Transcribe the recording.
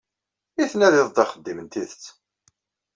I tnadiḍ-d axeddim n tidet?